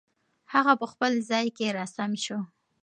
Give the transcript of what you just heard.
هغه په خپل ځای کې را سم شو.